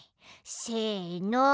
せの。